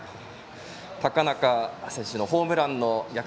高中選手の逆転ホームラン。